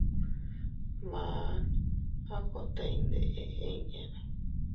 Maan a kote ndo iyndeʼe inña.